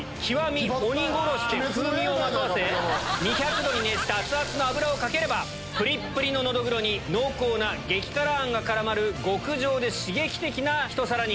風味をまとわせ２００℃に熱した熱々の油をかければプリップリのノドグロに濃厚な激辛あんが絡まる極上で刺激的なひと皿に。